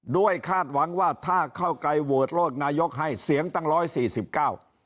คาดหวังว่าถ้าเข้าไกลโหวตโลกนายกให้เสียงตั้งร้อยสี่สิบเก้า